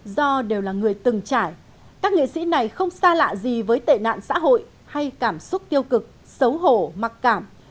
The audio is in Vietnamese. do đều là người từng trải các nghệ sĩ này không xa lạ gì với tệ nạn xã hội hay cảm xúc tiêu cực xấu hổ mà có thể gây ra